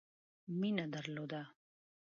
مینه درلوده.